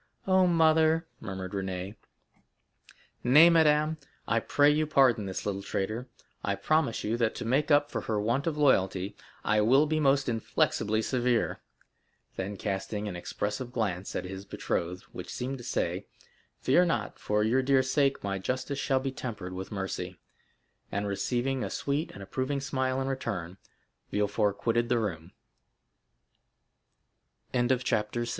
"Oh, mother!" murmured Renée. "Nay, madame, I pray you pardon this little traitor. I promise you that to make up for her want of loyalty, I will be most inflexibly severe;" then casting an expressive glance at his betrothed, which seemed to say, "Fear not, for your dear sake my justice shall be tempered with mercy," and receiving a sweet and